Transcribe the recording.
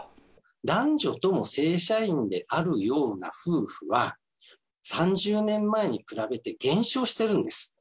男女とも正社員であるような夫婦は、３０年前に比べて減少してるんです。